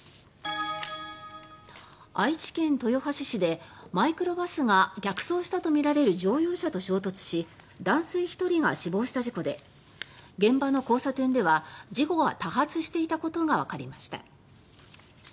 愛知県豊橋市でマイクロバスが逆走したとみられる乗用車と衝突し男性１人が死亡した事故で現場の交差点では事故が多発していたことがわかりました。